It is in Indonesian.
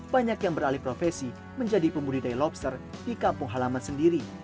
banyak yang beralih profesi menjadi pembudidaya lobster di kampung halaman sendiri